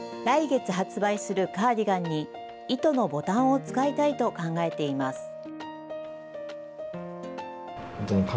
来月発売するカーディガンに、糸のボタンを使いたいと考えています。